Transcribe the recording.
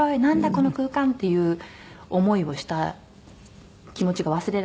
この空間！っていう思いをした気持ちが忘れられなくて。